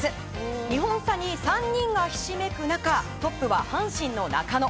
２本差に３人がひしめく中トップは阪神の中野。